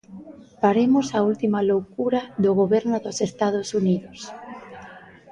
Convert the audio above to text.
Paremos a última loucura do Goberno dos Estados Unidos.